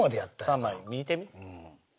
３枚見てみ？